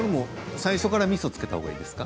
最初からみそをつけたほうがいいですか。